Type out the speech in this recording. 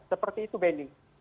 seperti itu benny